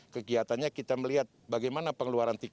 kegiatannya kita melihat bagaimana pengeluaran tiket